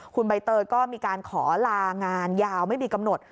คุณใบเตยก็มีการขอลางานยาวไม่มีกำหนด